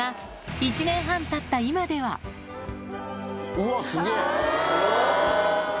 うわ、すげー。